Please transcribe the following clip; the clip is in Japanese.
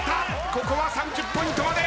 ここは３０ポイントまで。